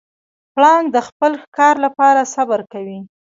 پړانګ د خپل ښکار لپاره صبر کوي.